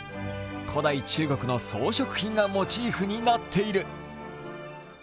古代中国の装飾品がモチーフになっている。